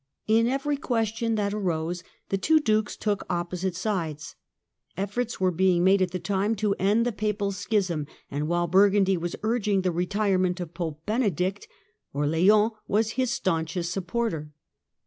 In every question that arose the two Dukes took opposite sides. Efforts were being made at the time to end the Papal schism, and while Burgundy was urging the retirement of Pope Benedict, Orleans was his staunchest supporter.